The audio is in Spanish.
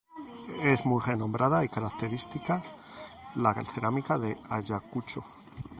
Es muy renombrada y característica la cerámica de Ayacucho.